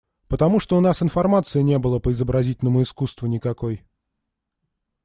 Потому что у нас информации не было по изобразительному искусству никакой.